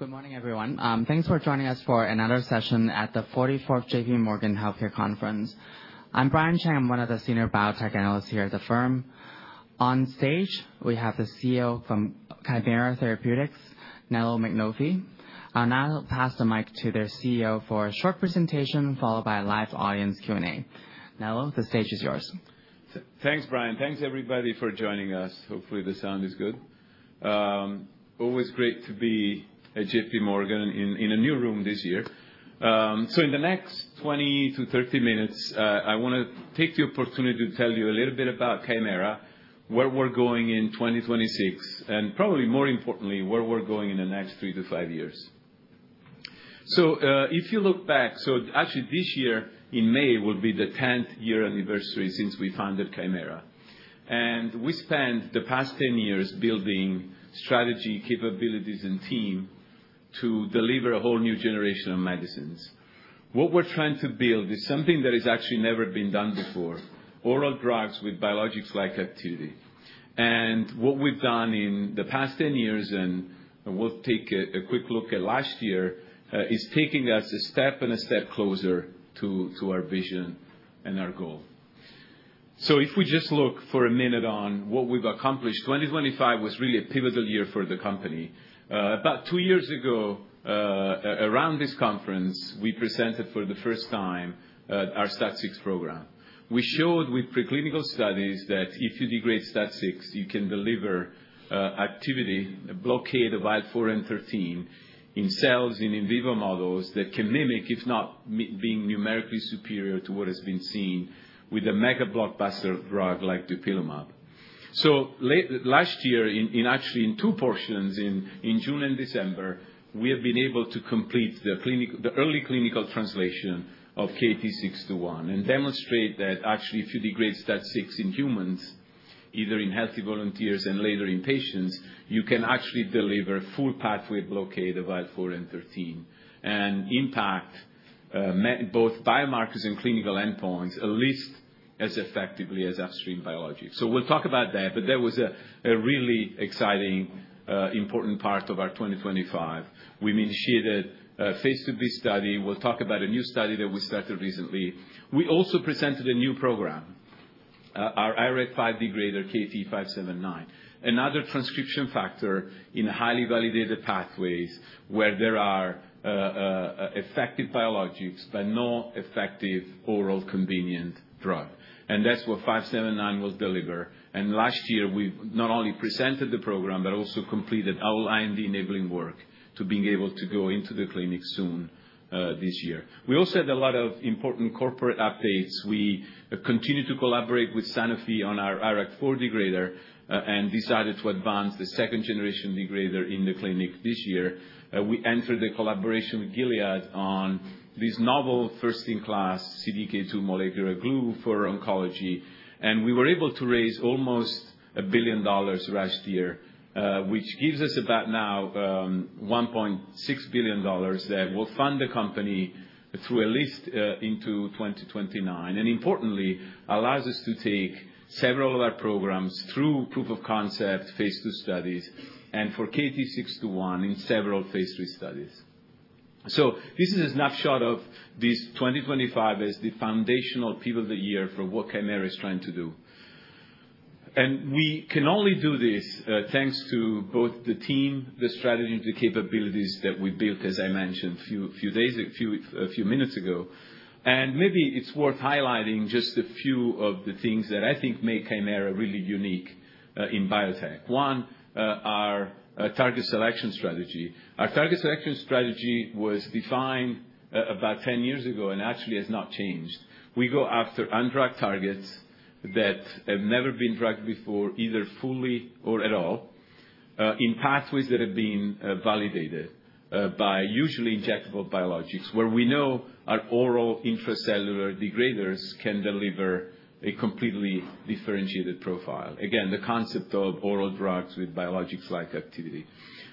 Good morning, everyone. Thanks for joining us for another session at the 44th J.P. Morgan Healthcare Conference. I'm Brian Cheng. I'm one of the senior biotech analysts here at the firm. On stage, we have the CEO from Kymera Therapeutics, Nello Mainolfi. I'll now pass the mic to their CEO for a short presentation, followed by a live audience Q&A. Nello, the stage is yours. Thanks, Brian. Thanks, everybody, for joining us. Hopefully, the sound is good. Always great to be at J.P. Morgan in a new room this year. So in the next 20 to 30 minutes, I want to take the opportunity to tell you a little bit about Kymera, where we're going in 2026, and probably more importantly, where we're going in the next three to five years. So if you look back, so actually this year, in May, will be the 10th year anniversary since we founded Kymera. And we spent the past 10 years building strategy, capabilities, and team to deliver a whole new generation of medicines. What we're trying to build is something that has actually never been done before: oral drugs with biologics-like activity. And what we've done in the past 10 years, and we'll take a quick look at last year, is taking us a step and a step closer to our vision and our goal. So if we just look for a minute on what we've accomplished, 2025 was really a pivotal year for the company. About two years ago, around this conference, we presented for the first time our STAT6 program. We showed with preclinical studies that if you degrade STAT6, you can deliver activity, a blockade of IL-4 and IL-13, in cells, in vivo models that can mimic, if not being numerically superior to what has been seen with a mega blockbuster drug like dupilumab. So last year, actually in two portions, in June and December, we have been able to complete the early clinical translation of KT-621 and demonstrate that actually if you degrade STAT6 in humans, either in healthy volunteers and later in patients, you can actually deliver a full pathway blockade of IL-4 and 13 and impact both biomarkers and clinical endpoints at least as effectively as upstream biologics. So we'll talk about that. But that was a really exciting, important part of our 2025. We initiated a Phase 1 study. We'll talk about a new study that we started recently. We also presented a new program, our IRF5 degrader KT-579, another transcription factor in highly validated pathways where there are effective biologics but no effective oral convenient drug. And that's what 579 will deliver. Last year, we not only presented the program but also completed all IND-enabling work to being able to go into the clinic soon this year. We also had a lot of important corporate updates. We continue to collaborate with on our IRAK4 degrader and decided to advance the second-generation degrader in the clinic this year. We entered the collaboration with on this novel first-in-class CDK2 molecular glue for oncology. We were able to raise almost $1 billion last year, which gives us about now $1.6 billion that will fund the company through at least into 2029. Importantly, it allows us to take several of our programs through proof of concept, phase two studies, and for KT-621 in several phase three studies. This is a snapshot of 2024 as the foundational pivot of the year for what Kymera is trying to do. And we can only do this thanks to both the team, the strategy, and the capabilities that we built, as I mentioned a few minutes ago. And maybe it's worth highlighting just a few of the things that I think make Kymera really unique in biotech. One is our target selection strategy. Our target selection strategy was defined about 10 years ago and actually has not changed. We go after undrugged targets that have never been drugged before, either fully or at all, in pathways that have been validated by usually injectable biologics, where we know our oral intracellular degraders can deliver a completely differentiated profile. Again, the concept of oral drugs with biologics-like activity.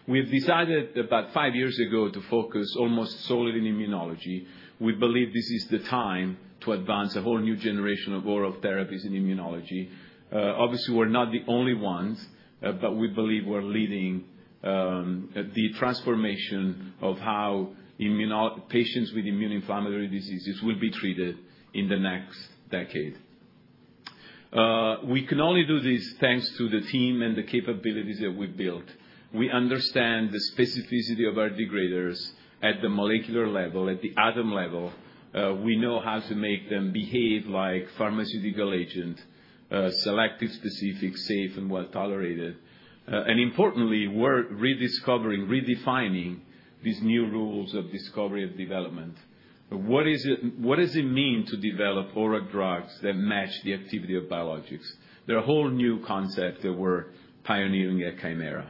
We have decided about five years ago to focus almost solely on immunology. We believe this is the time to advance a whole new generation of oral therapies in immunology. Obviously, we're not the only ones, but we believe we're leading the transformation of how patients with immune-inflammatory diseases will be treated in the next decade. We can only do this thanks to the team and the capabilities that we've built. We understand the specificity of our degraders at the molecular level, at the atom level. We know how to make them behave like pharmaceutical agents, selective-specific, safe, and well-tolerated. And importantly, we're rediscovering, redefining these new rules of discovery and development. What does it mean to develop oral drugs that match the activity of biologics? They're a whole new concept that we're pioneering at Kymera.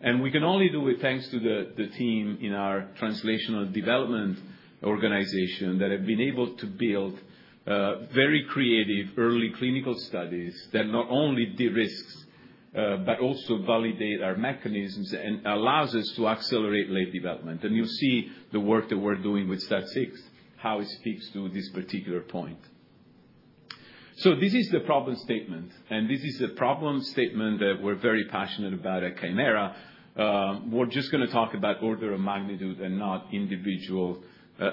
And we can only do it thanks to the team in our translational development organization that have been able to build very creative early clinical studies that not only de-risk but also validate our mechanisms and allow us to accelerate late development. And you'll see the work that we're doing with STAT6, how it speaks to this particular point. So this is the problem statement. And this is the problem statement that we're very passionate about at Kymera. We're just going to talk about order of magnitude and not individual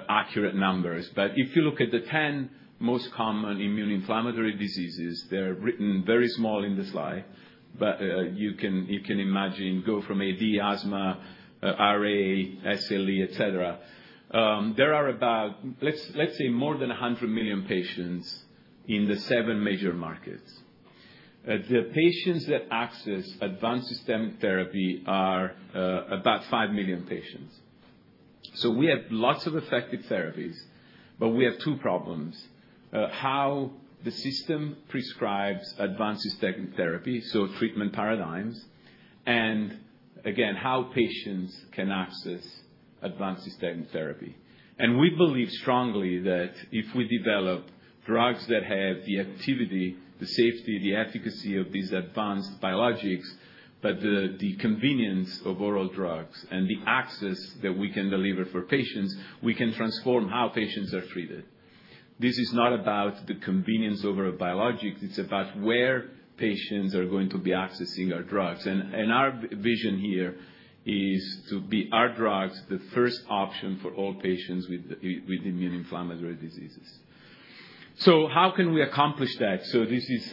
accurate numbers. But if you look at the 10 most common immune-inflammatory diseases, they're written very small in the slide, but you can imagine go from AD, asthma, RA, SLE, etc. There are about, let's say, more than 100 million patients in the seven major markets. The patients that access advanced systemic therapy are about five million patients. So we have lots of effective therapies, but we have two problems: how the system prescribes advanced systemic therapy, so treatment paradigms, and again, how patients can access advanced systemic therapy. We believe strongly that if we develop drugs that have the activity, the safety, the efficacy of these advanced biologics, but the convenience of oral drugs and the access that we can deliver for patients, we can transform how patients are treated. This is not about the convenience over a biologic. It's about where patients are going to be accessing our drugs. Our vision here is to be our drugs the first option for all patients with immune-inflammatory diseases. How can we accomplish that? This is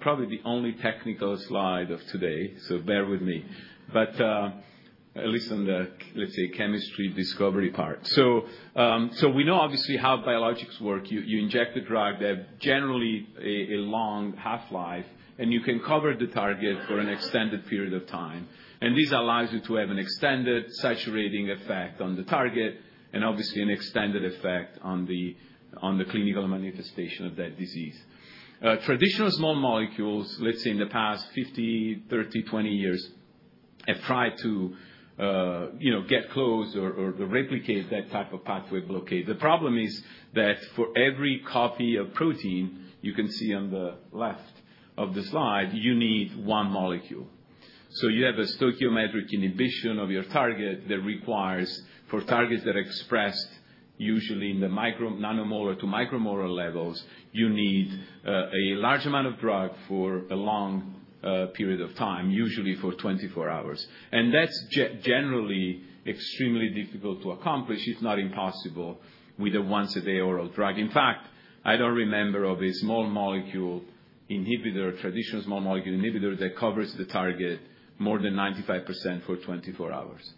probably the only technical slide of today, so bear with me, but at least on the, let's say, chemistry discovery part. We know, obviously, how biologics work. You inject the drug. They have generally a long half-life, and you can cover the target for an extended period of time. And this allows you to have an extended saturating effect on the target and obviously an extended effect on the clinical manifestation of that disease. Traditional small molecules, let's say in the past 50, 30, 20 years, have tried to get close or replicate that type of pathway blockade. The problem is that for every copy of protein, you can see on the left of the slide, you need one molecule. So you have a stoichiometric inhibition of your target that requires for targets that are expressed usually in the nanomolar to micromolar levels, you need a large amount of drug for a long period of time, usually for 24 hours. And that's generally extremely difficult to accomplish, if not impossible, with a once-a-day oral drug. In fact, I don't remember of a small molecule inhibitor, traditional small molecule inhibitor, that covers the target more than 95% for 24 hours.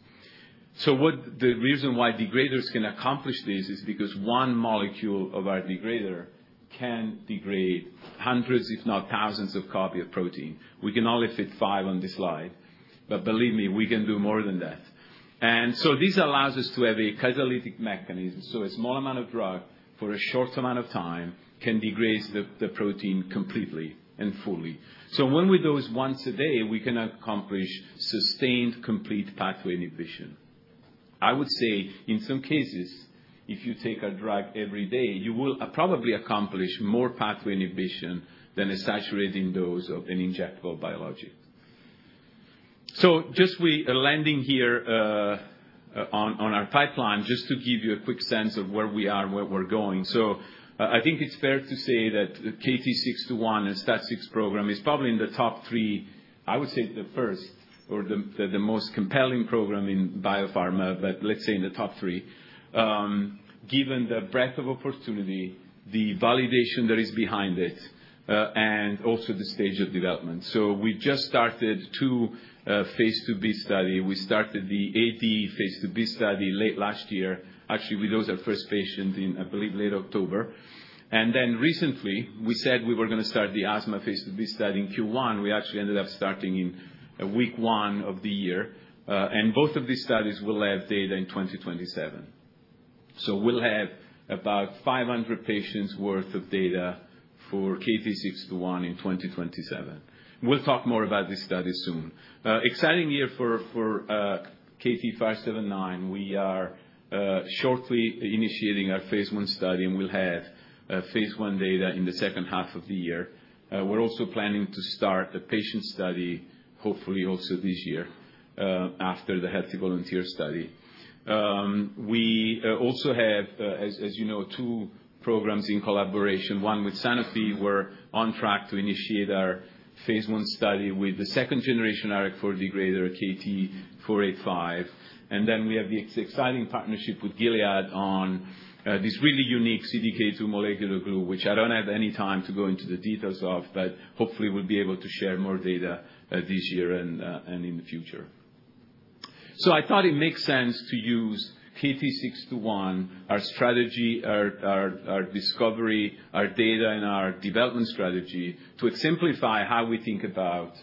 So the reason why degraders can accomplish this is because one molecule of our degrader can degrade hundreds, if not thousands, of copies of protein. We can only fit five on this slide, but believe me, we can do more than that. And so this allows us to have a catalytic mechanism. So a small amount of drug for a short amount of time can degrade the protein completely and fully. So when we dose once a day, we can accomplish sustained complete pathway inhibition. I would say in some cases, if you take a drug every day, you will probably accomplish more pathway inhibition than a saturating dose of an injectable biologic. So we are landing here on our pipeline just to give you a quick sense of where we are, where we're going. I think it's fair to say that the KT-621 and STAT6 program is probably in the top three. I would say the first or the most compelling program in biopharma, but let's say in the top three, given the breadth of opportunity, the validation that is behind it, and also the stage of development. We just started two phase 2b studies. We started the AD phase 2b study late last year. Actually, we dosed our first patient in, I believe, late October. And then recently, we said we were going to start the asthma phase 2b study in Q1. We actually ended up starting in week one of the year. And both of these studies will have data in 2027. So we'll have about 500 patients' worth of data for KT-621 in 2027. We'll talk more about these studies soon. Exciting year for KT-579. We are shortly initiating our phase one study, and we'll have phase one data in the second half of the year. We're also planning to start a patient study, hopefully also this year, after the healthy volunteer study. We also have, as you know, two programs in collaboration, one with Sanofi. We're on track to initiate our phase one study with the second-generation IRAK4 degrader, KT-485. And then we have the exciting partnership with Gilead on this really unique CDK2 molecular glue, which I don't have any time to go into the details of, but hopefully we'll be able to share more data this year and in the future. I thought it makes sense to use KT-621, our strategy, our discovery, our data, and our development strategy to simplify how we think about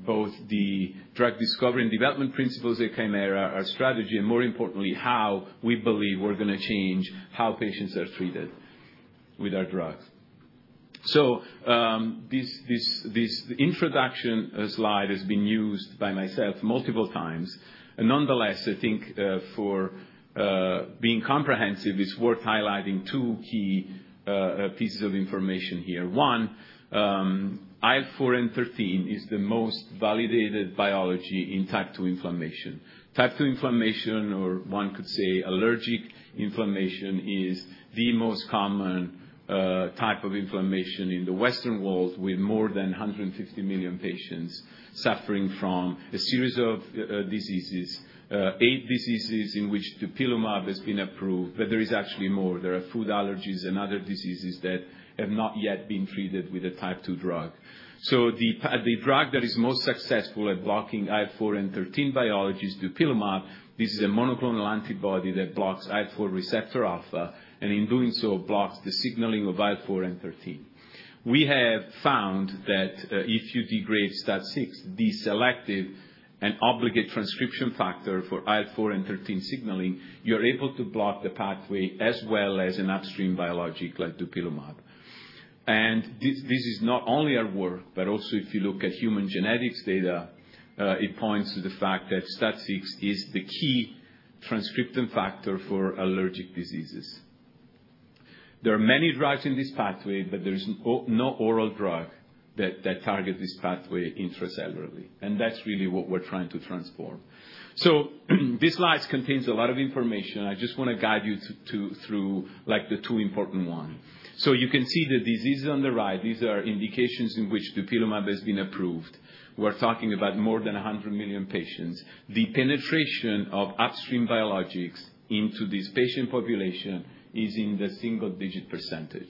both the drug discovery and development principles at Kymera, our strategy, and more importantly, how we believe we're going to change how patients are treated with our drugs. This introduction slide has been used by myself multiple times. Nonetheless, I think for being comprehensive, it's worth highlighting two key pieces of information here. One, IL-4 and IL-13 is the most validated biology in type 2 inflammation. Type 2 inflammation, or one could say allergic inflammation, is the most common type of inflammation in the Western world with more than 150 million patients suffering from a series of diseases, eight diseases in which dupilumab has been approved, but there is actually more. There are food allergies and other diseases that have not yet been treated with a type 2 drug. So the drug that is most successful at blocking IL-4 and IL-13 biology is dupilumab. This is a monoclonal antibody that blocks IL-4 receptor alpha and in doing so blocks the signaling of IL-4 and IL-13. We have found that if you degrade STAT6, the selective and obligate transcription factor for IL-4 and IL-13 signaling, you're able to block the pathway as well as an upstream biologic like dupilumab. And this is not only our work, but also if you look at human genetics data, it points to the fact that STAT6 is the key transcription factor for allergic diseases. There are many drugs in this pathway, but there is no oral drug that targets this pathway intracellularly. And that's really what we're trying to transform. This slide contains a lot of information. I just want to guide you through the two important ones. You can see the diseases on the right. These are indications in which dupilumab has been approved. We're talking about more than 100 million patients. The penetration of upstream biologics into this patient population is in the single-digit %.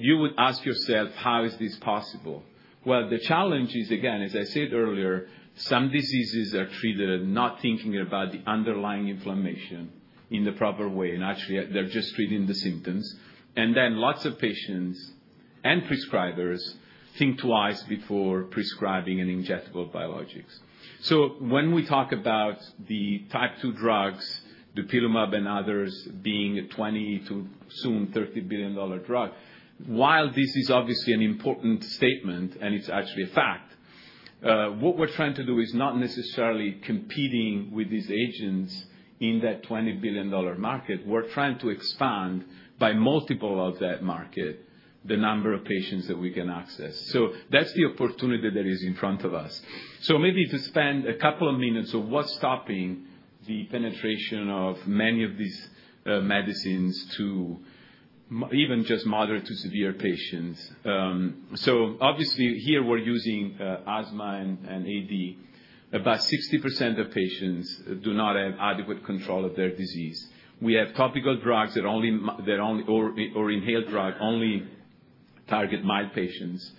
You would ask yourself, how is this possible? The challenge is, again, as I said earlier, some diseases are treated not thinking about the underlying inflammation in the proper way. Actually, they're just treating the symptoms. Lots of patients and prescribers think twice before prescribing an injectable biologic. When we talk about the type 2 drugs, dupilumab and others being a $20- to soon $30 billion drug, while this is obviously an important statement and it's actually a fact, what we're trying to do is not necessarily competing with these agents in that $20 billion market. We're trying to expand by multiple of that market the number of patients that we can access. So that's the opportunity that is in front of us. So maybe to spend a couple of minutes on what's stopping the penetration of many of these medicines to even just moderate to severe patients. So obviously here, we're using asthma and AD. About 60% of patients do not have adequate control of their disease. We have topical drugs that only or inhaled drugs only target mild patients.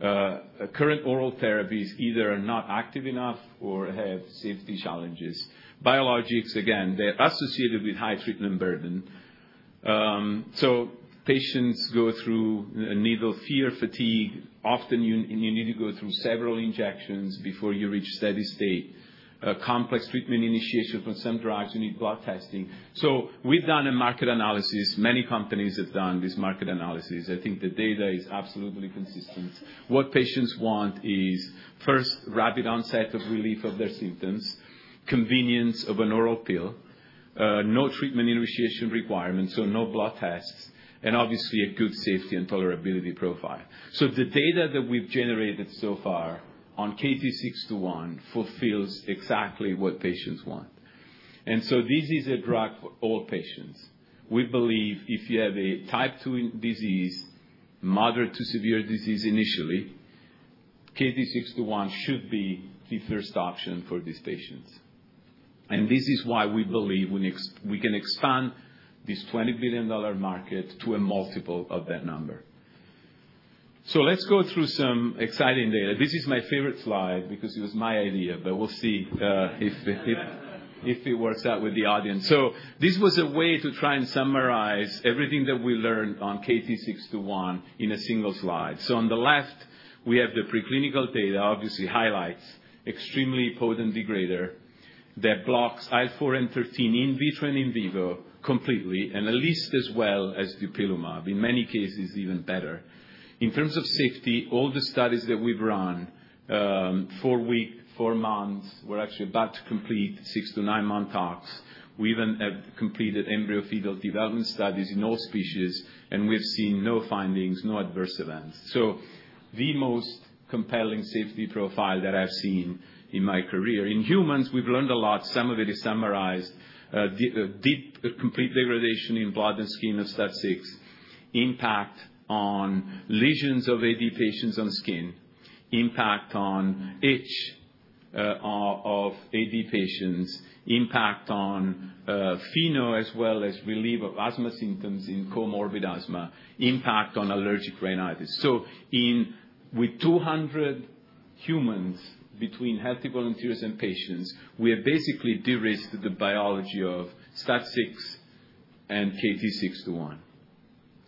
Current oral therapies either are not active enough or have safety challenges. Biologics, again, they're associated with high treatment burden. So patients go through a needle fear, fatigue. Often you need to go through several injections before you reach steady state. Complex treatment initiation for some drugs, you need blood testing. So we've done a market analysis. Many companies have done this market analysis. I think the data is absolutely consistent. What patients want is first rapid onset of relief of their symptoms, convenience of an oral pill, no treatment initiation requirement, so no blood tests, and obviously a good safety and tolerability profile. So the data that we've generated so far on KT-621 fulfills exactly what patients want. And so this is a drug for all patients. We believe if you have a type 2 disease, moderate to severe disease initially, KT-621 should be the first option for these patients. This is why we believe we can expand this $20 billion market to a multiple of that number. Let's go through some exciting data. This is my favorite slide because it was my idea, but we'll see if it works out with the audience. This was a way to try and summarize everything that we learned on KT-621 in a single slide. On the left, we have the preclinical data obviously highlights extremely potent degrader that blocks IL-4 and IL-13 in vitro and in vivo completely and at least as well as dupilumab. In many cases, even better. In terms of safety, all the studies that we've run, four weeks, four months, we're actually about to complete six- to nine-month tox. We even have completed embryo fetal development studies in all species, and we've seen no findings, no adverse events. So the most compelling safety profile that I've seen in my career. In humans, we've learned a lot. Some of it is summarized. Deep, complete degradation in blood and skin of STAT6, impact on lesions of AD patients on skin, impact on itch of AD patients, impact on FeNO as well as relief of asthma symptoms in comorbid asthma, impact on allergic rhinitis. So with 200 humans between healthy volunteers and patients, we have basically de-risked the biology of STAT6 and KT-621.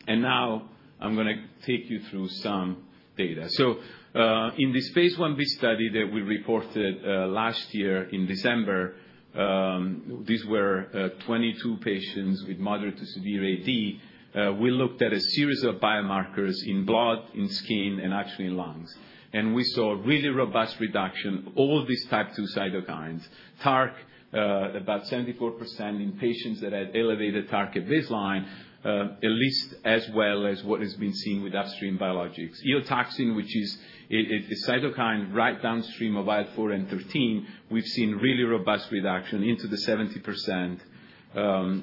And now I'm going to take you through some data. So in this phase 1b study that we reported last year in December, these were 22 patients with moderate to severe AD. We looked at a series of biomarkers in blood, in skin, and actually in lungs. We saw really robust reduction, all these type 2 cytokines, TARC, about 74% in patients that had elevated TARC at baseline, at least as well as what has been seen with upstream biologics. Eotaxin, which is a cytokine right downstream of IL-4 and 13, we've seen really robust reduction into the 70%,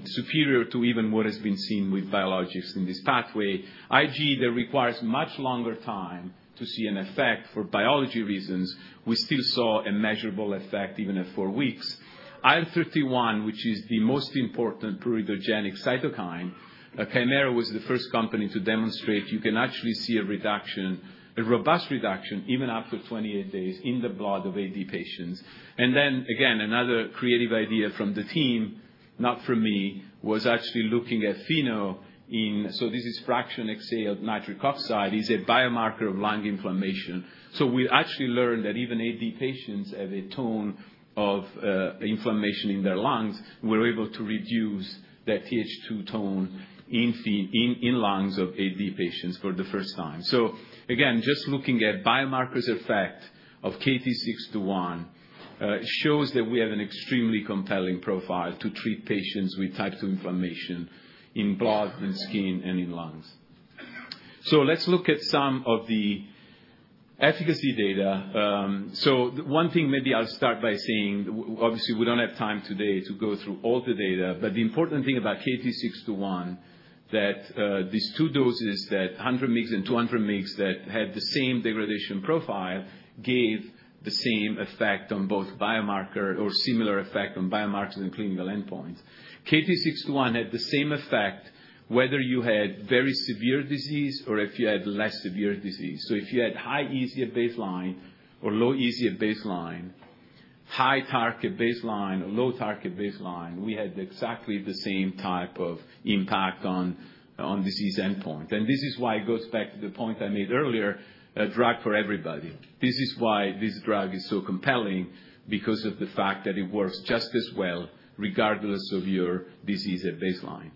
superior to even what has been seen with biologics in this pathway. IgE that requires much longer time to see an effect for biology reasons. We still saw a measurable effect even at four weeks. IL-31, which is the most important pruritogenic cytokine, Kymera was the first company to demonstrate you can actually see a reduction, a robust reduction even after 28 days in the blood of AD patients. Then again, another creative idea from the team, not from me, was actually looking at FeNO. So this is fractional exhaled nitric oxide. It's a biomarker of lung inflammation. So we actually learned that even AD patients have a ton of inflammation in their lungs. We're able to reduce that Th2 tone in lungs of AD patients for the first time. So again, just looking at biomarkers effect of KT-621 shows that we have an extremely compelling profile to treat patients with type 2 inflammation in blood and skin and in lungs. So let's look at some of the efficacy data. So one thing maybe I'll start by saying, obviously we don't have time today to go through all the data, but the important thing about KT-621, that these two doses, that 100 mg and 200 mg that had the same degradation profile, gave the same effect on both biomarker or similar effect on biomarkers and clinical endpoints. KT-621 had the same effect whether you had very severe disease or if you had less severe disease. So if you had high EASI at baseline or low EASI at baseline, high TARC at baseline or low TARC at baseline, we had exactly the same type of impact on disease endpoint. And this is why it goes back to the point I made earlier, a drug for everybody. This is why this drug is so compelling because of the fact that it works just as well regardless of your disease at baseline.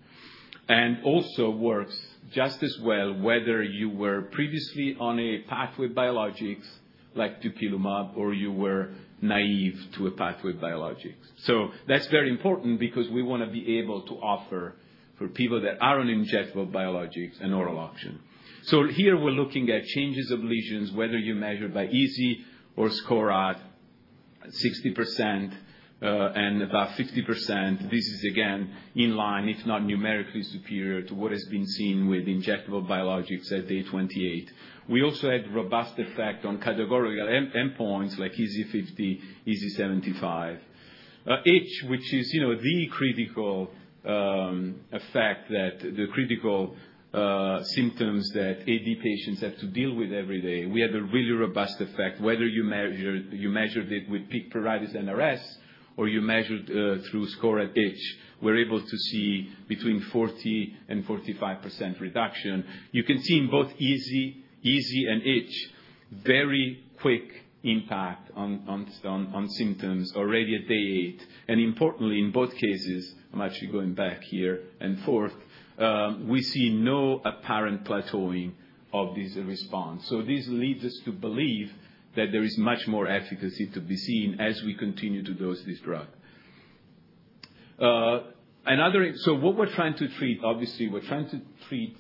And also works just as well whether you were previously on type 2 biologics like dupilumab or you were naive to type 2 biologics. So that's very important because we want to be able to offer for people that are on injectable biologics an oral option. So here we're looking at changes of lesions, whether you measure by EASI or SCORAD, 60% and about 50%. This is again in line, if not numerically superior to what has been seen with injectable biologics at day 28. We also had robust effect on categorical endpoints like EASI 50, EASI 75. Itch, which is the critical effect that the critical symptoms that AD patients have to deal with every day. We have a really robust effect. Whether you measured it with peak pruritus NRS or you measured through SCORAD Itch, we're able to see between 40%-45% reduction. You can see in both EASI and itch, very quick impact on symptoms already at day eight. And importantly, in both cases, I'm actually going back here and forth, we see no apparent plateauing of this response. This leads us to believe that there is much more efficacy to be seen as we continue to dose this drug. What we're trying to treat, obviously we're trying to treat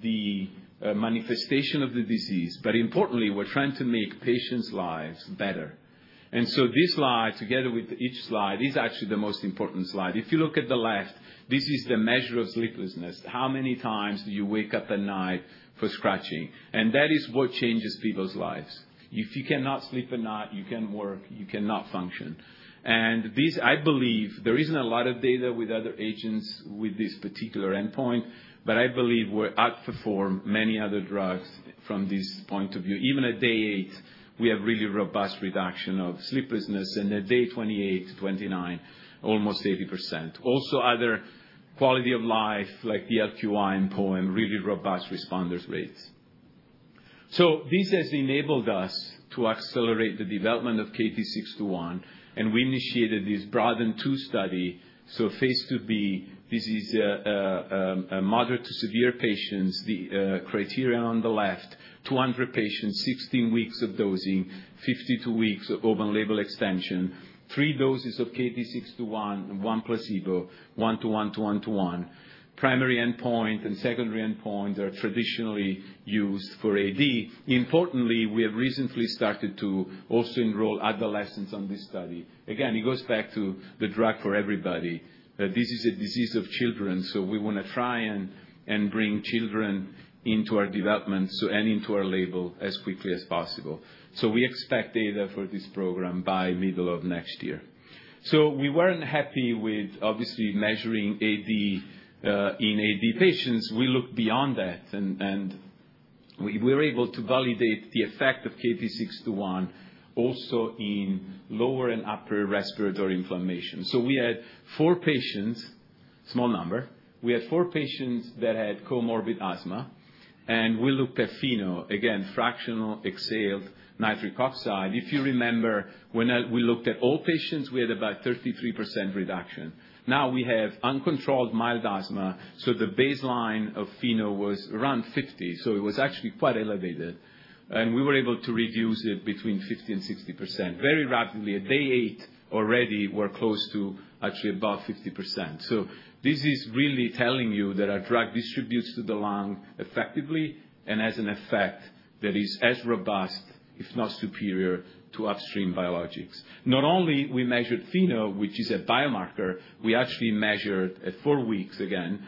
the manifestation of the disease, but importantly, we're trying to make patients' lives better. This slide, together with each slide, is actually the most important slide. If you look at the left, this is the measure of sleeplessness. How many times do you wake up at night for scratching? That is what changes people's lives. If you cannot sleep at night, you can't work, you cannot function. I believe there isn't a lot of data with other agents with this particular endpoint, but I believe we're outperforming many other drugs from this point of view. Even at day eight, we have really robust reduction of sleeplessness and at day 28 to 29, almost 80%. Also other quality of life like the DLQI and POEM, really robust responder rates. So this has enabled us to accelerate the development of KT-621, and we initiated this broad Phase 2 study. So phase 2b, this is moderate to severe patients, the criteria on the left, 200 patients, 16 weeks of dosing, 52 weeks of open label extension, three doses of KT-621, one placebo, one to one to one to one. Primary endpoint and secondary endpoint are traditionally used for AD. Importantly, we have recently started to also enroll adolescents on this study. Again, it goes back to the drug for everybody. This is a disease of children, so we want to try and bring children into our development and into our label as quickly as possible. So we expect data for this program by middle of next year. So we weren't happy with obviously measuring AD in AD patients. We looked beyond that, and we were able to validate the effect of KT-621 also in lower and upper respiratory inflammation. So we had four patients, small number. We had four patients that had comorbid asthma, and we looked at FeNO, again, fractional exhaled nitric oxide. If you remember, when we looked at all patients, we had about 33% reduction. Now we have uncontrolled mild asthma, so the baseline of FeNO was around 50, so it was actually quite elevated, and we were able to reduce it between 50%-60% very rapidly. At day eight already, we're close to actually above 50%, so this is really telling you that our drug distributes to the lung effectively and has an effect that is as robust, if not superior, to upstream biologics. Not only we measured FeNO, which is a biomarker, we actually measured at four weeks again,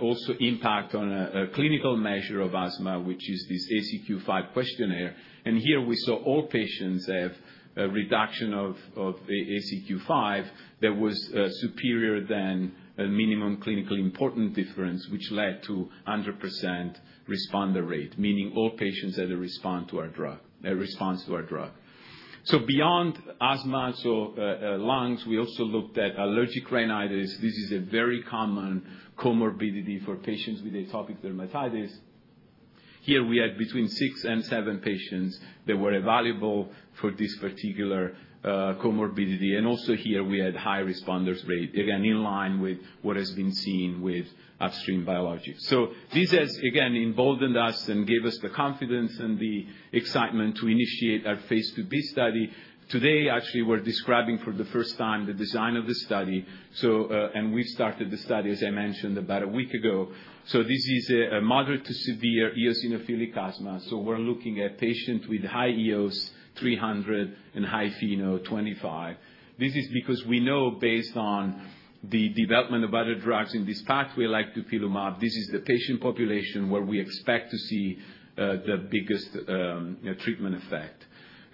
also impact on a clinical measure of asthma, which is this ACQ-5 questionnaire, and here we saw all patients have a reduction of ACQ-5 that was superior than a minimum clinically important difference, which led to 100% responder rate, meaning all patients had a response to our drug, so beyond asthma, so lungs, we also looked at allergic rhinitis. This is a very common comorbidity for patients with atopic dermatitis. Here we had between six and seven patients that were evaluable for this particular comorbidity. Also here we had high responder rate, again in line with what has been seen with upstream biologics. This has, again, emboldened us and gave us the confidence and the excitement to initiate our phase 2b study. Today, actually, we're describing for the first time the design of the study. We've started the study, as I mentioned, about a week ago. This is a moderate to severe eosinophilic asthma. We're looking at patients with high EOS 300 and high FeNO 25. This is because we know based on the development of other drugs in this pathway like dupilumab; this is the patient population where we expect to see the biggest treatment effect.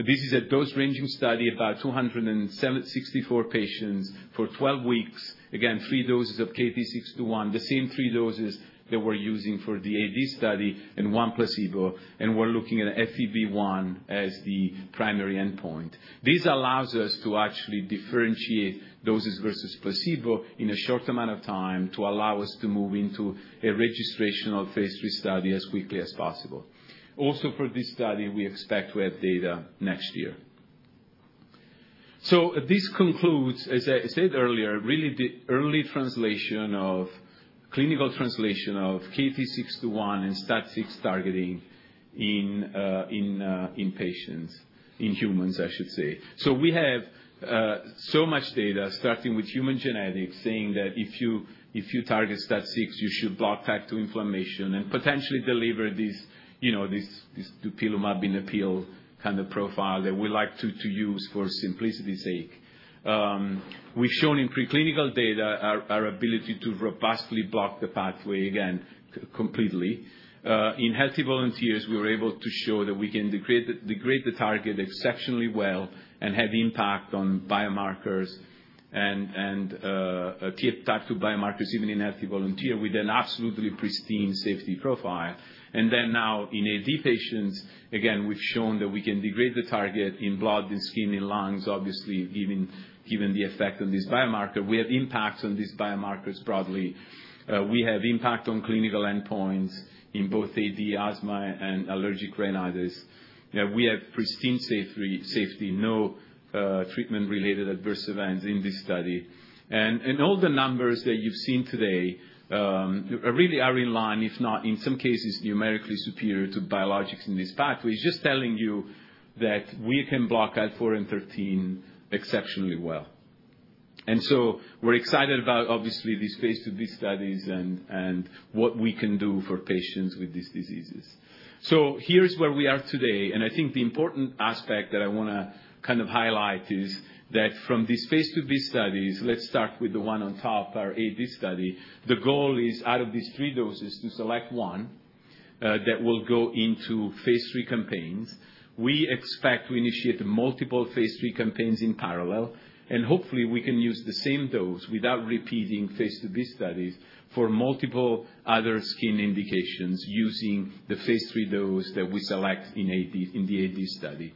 This is a dose ranging study, about 264 patients for 12 weeks, again, three doses of KT-621, the same three doses that we're using for the AD study and one placebo, and we're looking at FEV1 as the primary endpoint. This allows us to actually differentiate doses versus placebo in a short amount of time to allow us to move into a registrational phase three study as quickly as possible, also for this study, we expect to have data next year, so this concludes, as I said earlier, really the early translation of clinical translation of KT-621 and STAT6 targeting in patients, in humans, I should say. So we have so much data starting with human genetics saying that if you target STAT6, you should block type 2 inflammation and potentially deliver this dupilumab in a pill kind of profile that we like to use for simplicity's sake. We've shown in preclinical data our ability to robustly block the pathway again completely. In healthy volunteers, we were able to show that we can degrade the target exceptionally well and have impact on biomarkers and type 2 biomarkers even in healthy volunteer with an absolutely pristine safety profile. And then now in AD patients, again, we've shown that we can degrade the target in blood, in skin, in lungs, obviously given the effect on this biomarker. We have impact on these biomarkers broadly. We have impact on clinical endpoints in both AD asthma and allergic rhinitis. We have pristine safety, no treatment-related adverse events in this study. And all the numbers that you've seen today really are in line, if not in some cases numerically superior to biologics in this pathway, just telling you that we can block out 4 and 13 exceptionally well. And so we're excited about, obviously, these phase two B studies and what we can do for patients with these diseases. So here's where we are today. And I think the important aspect that I want to kind of highlight is that from these phase two B studies, let's start with the one on top, our AD study. The goal is out of these three doses to select one that will go into phase three campaigns. We expect to initiate multiple phase 3 campaigns in parallel, and hopefully we can use the same dose without repeating phase 2b studies for multiple other skin indications using the phase 3 dose that we select in the AD study.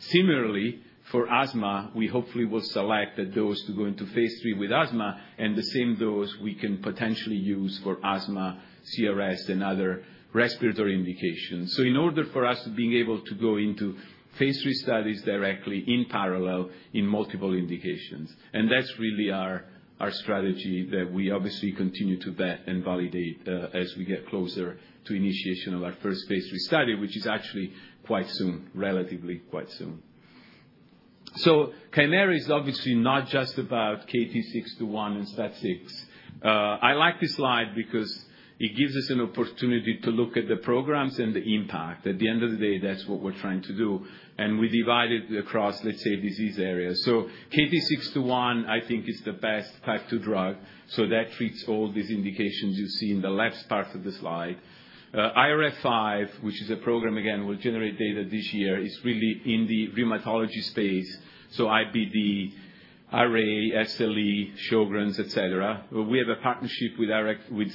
Similarly, for asthma, we hopefully will select a dose to go into phase 3 with asthma, and the same dose we can potentially use for asthma, CRS, and other respiratory indications, so in order for us to be able to go into phase 3 studies directly in parallel in multiple indications. That's really our strategy that we obviously continue to vet and validate as we get closer to initiation of our first phase 3 study, which is actually quite soon, relatively quite soon. Kymera is obviously not just about KT-621 and STAT6. I like this slide because it gives us an opportunity to look at the programs and the impact. At the end of the day, that's what we're trying to do. And we divide it across, let's say, disease areas. So KT-621, I think, is the best type 2 drug. So that treats all these indications you see in the left part of the slide. IRF5, which is a program, again, will generate data this year, is really in the rheumatology space. So IBD, RA, SLE, Sjögren's, etc. We have a partnership with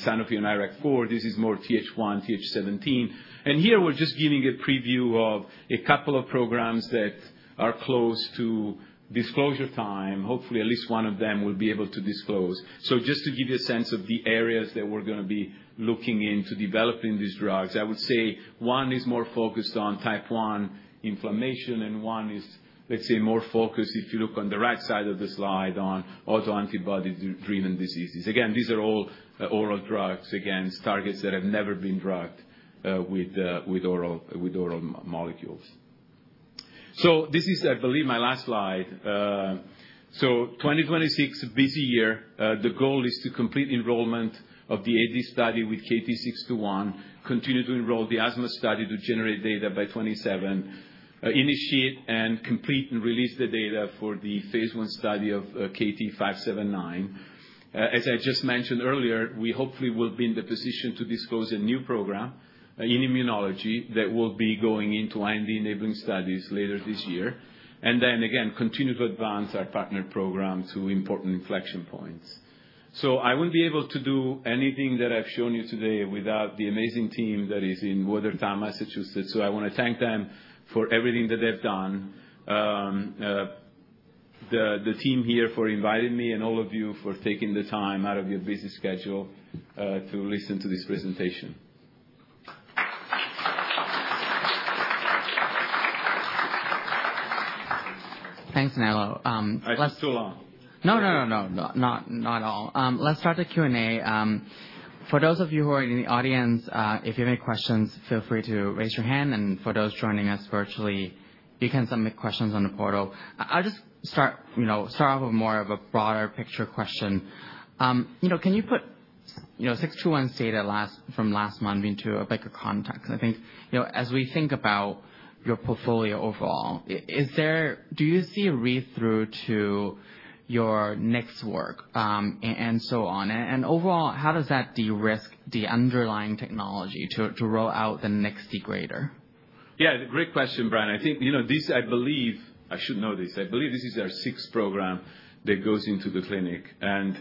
Sanofi and IRAK4. This is more Th1, Th17. And here we're just giving a preview of a couple of programs that are close to disclosure time. Hopefully, at least one of them will be able to disclose. So just to give you a sense of the areas that we're going to be looking into developing these drugs. I would say one is more focused on type one inflammation and one is, let's say, more focused if you look on the right side of the slide on autoantibody-driven diseases. Again, these are all oral drugs, again, targets that have never been drugged with oral molecules. So this is, I believe, my last slide. So 2026, busy year. The goal is to complete enrollment of the AD study with KT-621, continue to enroll the asthma study to generate data by 2027, initiate and complete and release the data for the phase 1 study of KT-579. As I just mentioned earlier, we hopefully will be in the position to disclose a new program in immunology that will be going into IND-enabling studies later this year. And then again, continue to advance our partner program to important inflection points. So I wouldn't be able to do anything that I've shown you today without the amazing team that is in Watertown, Massachusetts. So I want to thank them for everything that they've done. The team here, for inviting me, and all of you, for taking the time out of your busy schedule to listen to this presentation. Thanks, Nello. I think it's too long. No, no, no, no, not at all. Let's start the Q&A. For those of you who are in the audience, if you have any questions, feel free to raise your hand. And for those joining us virtually, you can submit questions on the portal. I'll just start off with more of a broader picture question. Can you put 621's data from last month into a bigger context? I think as we think about your portfolio overall, do you see a read-through to your next work and so on? And overall, how does that de-risk the underlying technology to roll out the next degrader? Yeah, great question, Brian. I think this, I believe, I should know this. I believe this is our sixth program that goes into the clinic. And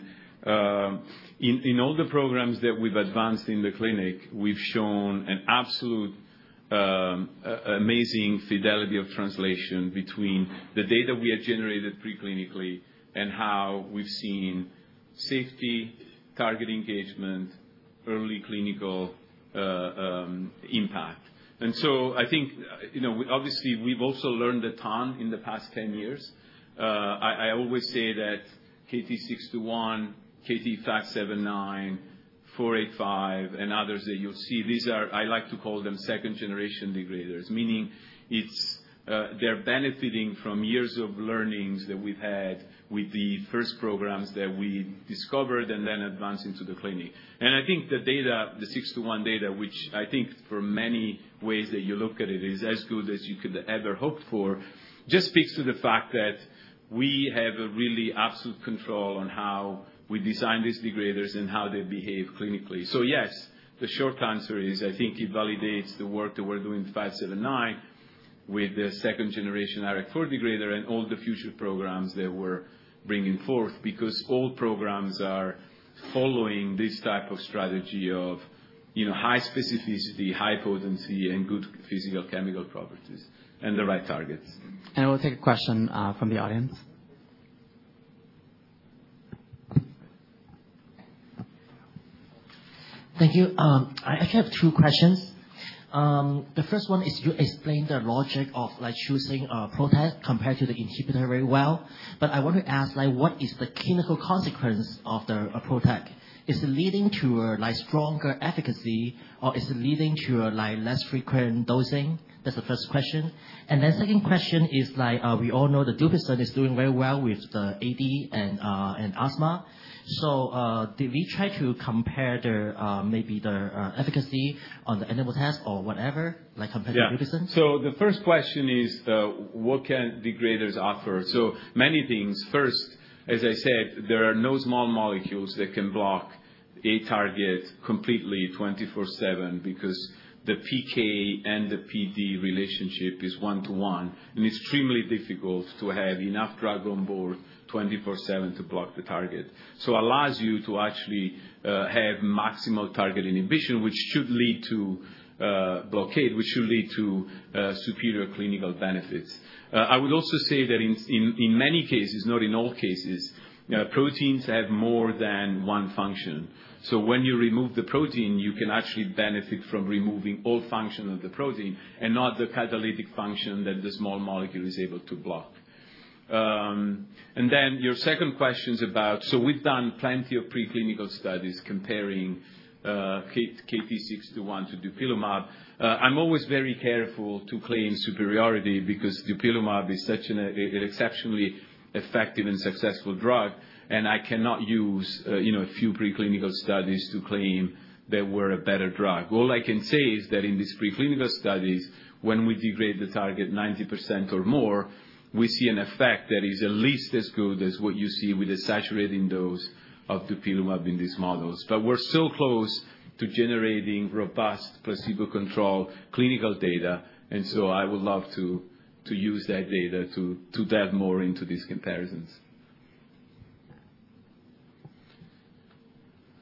in all the programs that we've advanced in the clinic, we've shown an absolute amazing fidelity of translation between the data we had generated preclinically and how we've seen safety, target engagement, early clinical impact. And so I think obviously we've also learned a ton in the past 10 years. I always say that KT-621, KT-579, KT-485, and others that you'll see, these are I like to call them second-generation degraders, meaning they're benefiting from years of learnings that we've had with the first programs that we discovered and then advanced into the clinic. I think the data, the 621 data, which I think for many ways that you look at it is as good as you could ever hope for, just speaks to the fact that we have a really absolute control on how we design these degraders and how they behave clinically. So yes, the short answer is I think it validates the work that we're doing with 579 with the second-generation IRAK4 degrader and all the future programs that we're bringing forth because all programs are following this type of strategy of high specificity, high potency, and good physicochemical properties and the right targets. We'll take a question from the audience. Thank you. I actually have two questions. The first one is you explained the logic of choosing a PROTAC compared to the inhibitor very well. But I want to ask, what is the clinical consequence of the PROTAC? Is it leading to a stronger efficacy, or is it leading to a less frequent dosing? That's the first question. And then second question is we all know the Dupixent is doing very well with the AD and asthma. So did we try to compare maybe the efficacy on the animal test or whatever, like compared to Dupixent? Yeah. So the first question is, what can degraders offer? So many things. First, as I said, there are no small molecules that can block a target completely 24/7 because the PK and the PD relationship is one to one. And it's extremely difficult to have enough drug on board 24/7 to block the target. So it allows you to actually have maximal target inhibition, which should lead to blockade, which should lead to superior clinical benefits. I would also say that in many cases, not in all cases, proteins have more than one function. So when you remove the protein, you can actually benefit from removing all function of the protein and not the catalytic function that the small molecule is able to block. And then your second question is about, so we've done plenty of preclinical studies comparing KT-621 to dupilumab. I'm always very careful to claim superiority because dupilumab is such an exceptionally effective and successful drug. I cannot use a few preclinical studies to claim that we're a better drug. All I can say is that in these preclinical studies, when we degrade the target 90% or more, we see an effect that is at least as good as what you see with the saturating dose of dupilumab in these models. We're so close to generating robust placebo-controlled clinical data. I would love to use that data to delve more into these comparisons.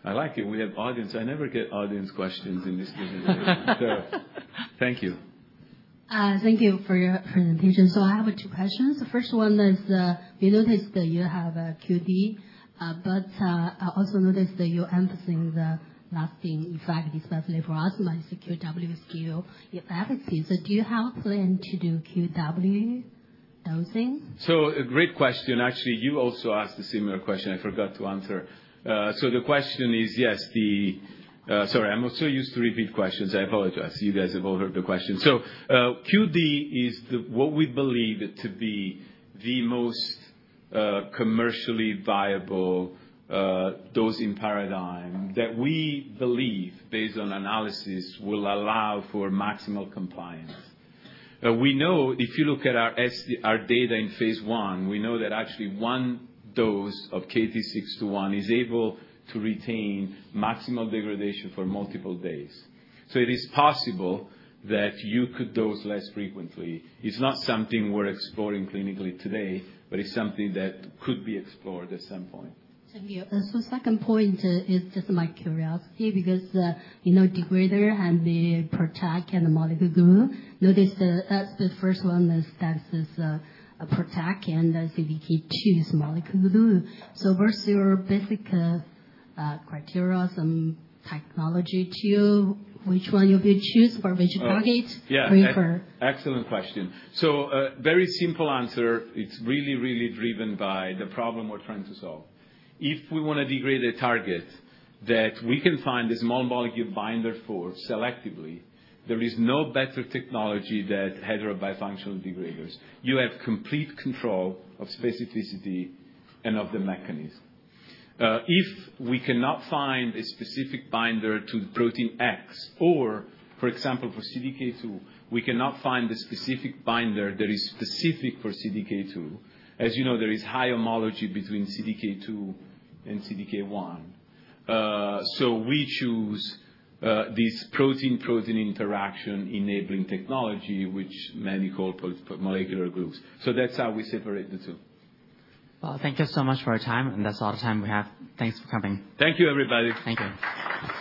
I like it. We have audience. I never get audience questions in this presentation. Thank you. Thank you for your presentation. So I have two questions. The first one is we noticed that you have a QD, but I also noticed that you're emphasizing the lasting effect, especially for asthma, it's a QW-like efficacy. So do you have a plan to do QW dosing? So a great question. Actually, you also asked a similar question. I forgot to answer. So the question is, yes, sorry, I'm so used to repeat questions. I apologize. You guys have all heard the question. So QD is what we believe to be the most commercially viable dosing paradigm that we believe, based on analysis, will allow for maximal compliance. We know if you look at our data in phase 1, we know that actually one dose of KT-621 is able to retain maximal degradation for multiple days. So it is possible that you could dose less frequently. It's not something we're exploring clinically today, but it's something that could be explored at some point. Thank you. So second point is just my curiosity because degrader and the PROTAC and the molecular glue, notice that the first one is PROTAC and CDK2 is molecular glue. So what's your basic criteria, some technology to you? Which one you would choose for which target? Yeah. Excellent question. So very simple answer. It's really, really driven by the problem we're trying to solve. If we want to degrade a target that we can find a small molecule binder for selectively, there is no better technology than heterobifunctional degraders. You have complete control of specificity and of the mechanism. If we cannot find a specific binder to protein X, or for example, for CDK2, we cannot find the specific binder that is specific for CDK2, as you know, there is high homology between CDK2 and CDK1. So we choose this protein-protein interaction enabling technology, which many call molecular glues. So that's how we separate the two. Well, thank you so much for your time. And that's all the time we have. Thanks for coming. Thank you, everybody. Thank you.